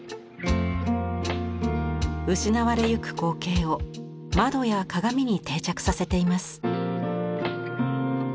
失われゆく光景を窓や鏡に定着させています。